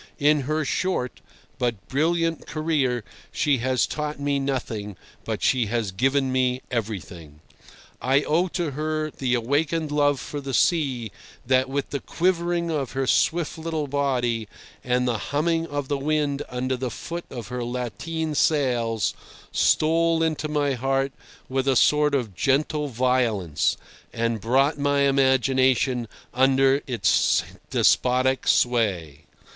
In her short, but brilliant, career she has taught me nothing, but she has given me everything. I owe to her the awakened love for the sea that, with the quivering of her swift little body and the humming of the wind under the foot of her lateen sails, stole into my heart with a sort of gentle violence, and brought my imagination under its despotic sway.